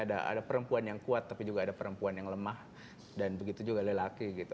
ada perempuan yang kuat tapi juga ada perempuan yang lemah dan begitu juga lelaki gitu